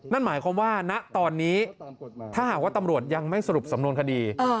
นั่นหมายความว่าณตอนนี้ถ้าหากว่าตำรวจยังไม่สรุปสำนวนคดี